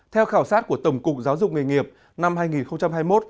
theo khảo sát của tổng cục giáo dục nghề nghiệp năm hai nghìn hai mươi một